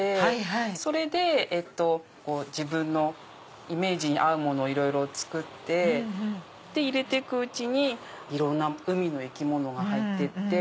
それで自分のイメージに合うものをいろいろ作って入れてくうちにいろんな海の生き物が入ってって。